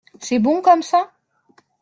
C’est bon comme ça ?